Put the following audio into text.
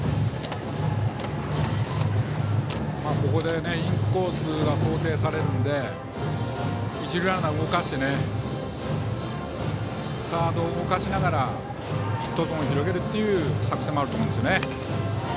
ここでインコースが想定されるので一塁ランナーを動かしてサードを動かしながらヒットゾーンを広げるという作戦もあると思うんですよね。